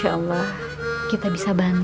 masa dia mendebin